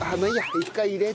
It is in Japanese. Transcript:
一回入れて。